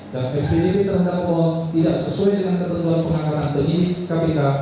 dan spjp terhadap mohon tidak sesuai dengan ketentuan pengangkatan penyelidik kpk